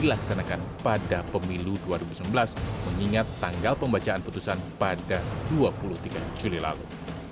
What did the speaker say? pemilu dua ribu sembilan belas dilaksanakan pada pemilu dua ribu sembilan belas mengingat tanggal pembacaan putusan pada dua puluh tiga juli lalu